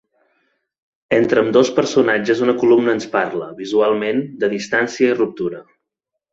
Entre ambdós personatges una columna ens parla, visualment, de distància i ruptura.